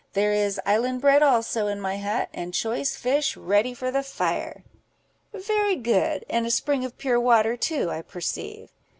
There is island bread also, in my hut, and choice fish ready for the fire." "Very good; and a spring of pure water too, I perceive."